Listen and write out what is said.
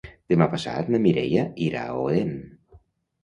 Demà passat na Mireia irà a Odèn.